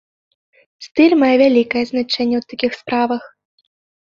Стыль мае вялікае значэнне ў такіх справах.